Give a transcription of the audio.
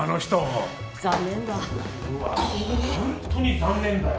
本当に残念だよ！